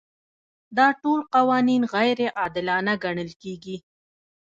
دا ټول قوانین غیر عادلانه ګڼل کیږي.